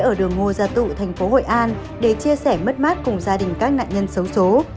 ở đường ngô gia tự thành phố hội an để chia sẻ mất mát cùng gia đình các nạn nhân xấu xố